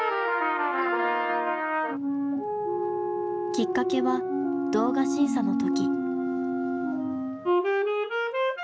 きっかけは動画審査の時。